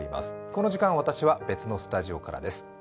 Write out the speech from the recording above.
この時間、私は別のスタジオからです。